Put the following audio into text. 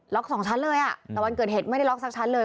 ล็อก๒ชั้นเลยแต่วันเกิดเหตุไม่ได้ล็อก๑ชั้นเลย